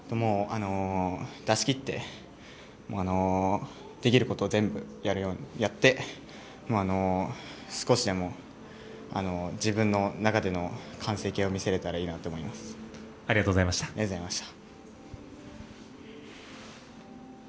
出しきってできることを全部やって少しでも自分の中での完成形を見せれたらありがとうございました。